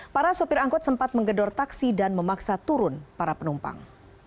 para sopir angkut sempat menggedor taksi dan memaksa turun para penumpang